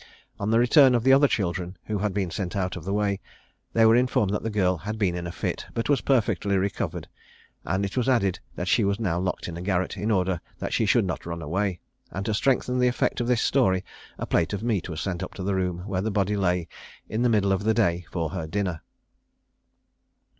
On the return of the other children, who had been sent out of the way, they were informed that the girl had been in a fit, but was perfectly recovered; and it was added that she was now locked in a garret, in order that she should not run away: and to strengthen the effect of this story, a plate of meat was sent up to the room where the body lay in the middle of the day for her dinner.